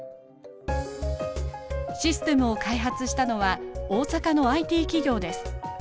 システムを開発したのは大阪のＩＴ企業です。